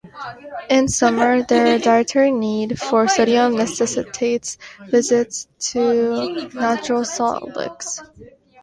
In summer, their dietary need for sodium necessitates visits to natural salt licks.